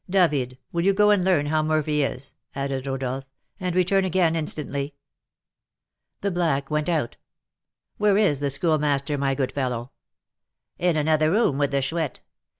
David, will you go and learn how Murphy is," added Rodolph, "and return again instantly?" The black went out. "Where is the Schoolmaster, my good fellow?" "In another room, with the Chouette.